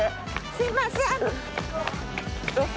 すみません。